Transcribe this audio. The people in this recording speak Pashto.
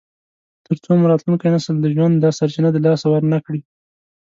تر څو مو راتلونکی نسل د ژوند دا سرچینه د لاسه ورنکړي.